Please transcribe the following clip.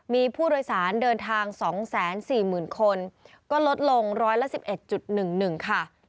มีผู้โดยสารเดินทาง๒๔๐๐๐คนก็ลดลง๑๑๑๑ค่ะ